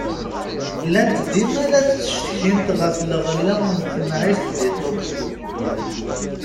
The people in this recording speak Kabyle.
Llant dima la d-ttcetkint ɣef leɣla n temεict di Tokyo.